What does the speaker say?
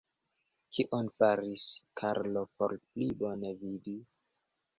Kion faris Karlo por pli bone vidi?